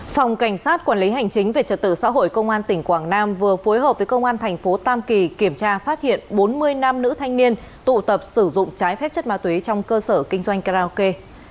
phòng cảnh sát quản lý hành chính về trật tự xã hội công an tỉnh quảng nam vừa phối hợp với công an thành phố tam kỳ kiểm tra phát hiện bốn mươi nam nữ thanh niên tụ tập sử dụng trái phép chất ma túy trong cơ sở kinh doanh karaoke